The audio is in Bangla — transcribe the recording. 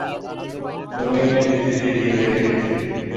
ডোমেইনের বিস্তৃতি ধীর হয়ে গেছে।